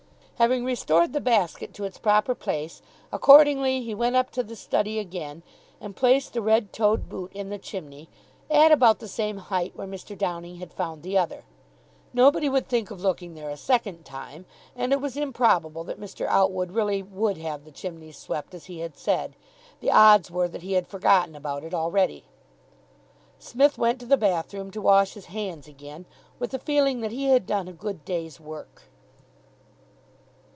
Having restored the basket to its proper place, accordingly, he went up to the study again, and placed the red toed boot in the chimney, at about the same height where Mr. Downing had found the other. Nobody would think of looking there a second time, and it was improbable that Mr. Outwood really would have the chimneys swept, as he had said. The odds were that he had forgotten about it already. Psmith went to the bathroom to wash his hands again, with the feeling that he had done a good day's work.